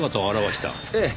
ええ。